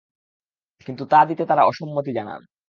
কিন্তু তা দিতে তাঁরা অসম্মতি জানান।